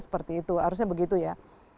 seperti itu harusnya begitu ya